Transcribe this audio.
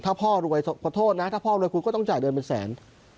ถ้าพ่อรวยขอโทษนะถ้าพ่อรวยคุณก็ต้องจ่ายเดือนเป็นแสน